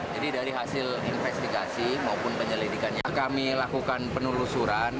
jadi dari hasil investigasi maupun penyelidikannya kami lakukan penelusuran